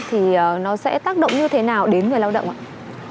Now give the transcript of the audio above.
thì nó sẽ tác động như thế nào đến người lao động ạ